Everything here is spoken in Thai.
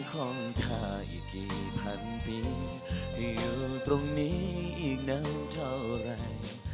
ของเธออีกกี่พันปีให้อยู่ตรงนี้อีกนานเท่าไหร่